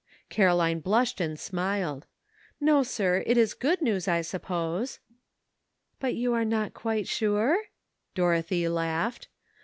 Caroline blushed and smiled. No, sir; it is good news, I suppose." '*But you are not quite sure?" Dorothy laughed.